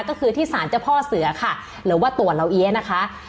ก็คือที่สารเจ้าพ่อเสือค่ะหรือว่าตัวเราเอี๊ยนะคะ